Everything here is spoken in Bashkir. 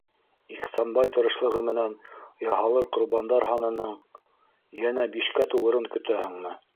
Ихсанбай тырышлығы менән яһалыр ҡорбандар һанының... йәнә бишкә тулырын көтәһеңме?